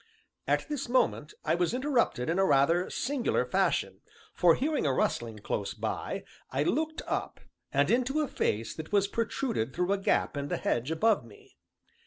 At this moment I was interrupted in a rather singular fashion, for hearing a rustling close by, I looked up, and into a face that was protruded through a gap in the hedge above me.